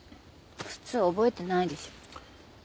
普通覚えてないでしょ。